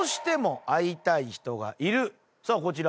さあこちら